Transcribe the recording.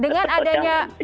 dengan adanya metaverse ini